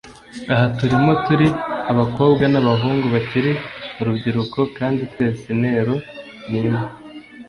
Aha turimo turi abakobwa n’abahungu bakiri urubyiruko kandi twese intero ni imwe